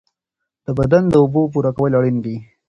د بدن د اوبو پوره کول اړین دي.